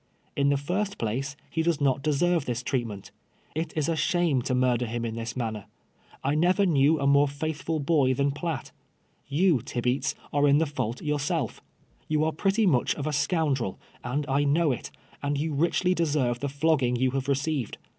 In the first place, he does not deserve this treatment. It is a shame to murder him in this manner. I never knew a more faithful boy than Piatt. Yon, Tibeats, are in the fault yourself. You are pretty much of a scoundrel, and I know it, and you richly deserve the flogging you have received.